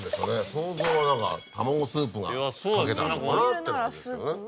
想像は何か卵スープがかけてあんのかなっていうような感じですけどね。